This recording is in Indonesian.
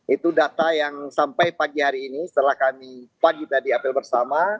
itu data yang sampai pagi hari ini setelah kami pagi tadi apel bersama